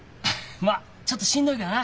まあちょっとしんどいけどな！